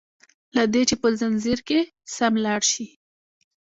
له دي چي په ځنځير کي سم لاړ شي